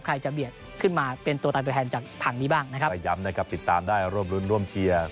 ใครจะเบียดขึ้นมาเป็นตัวตันตัวแทนจากทางนี้บ้างนะครับก็ย้ำนะครับติดตามได้ร่วมรุ้นร่วมเชียร์